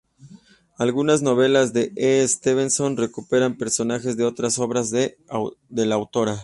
Algunas novelas de D. E. Stevenson recuperan personajes de otras obras de la autora.